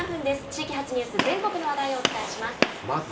地域発ニュース、全国の話題をお伝えします。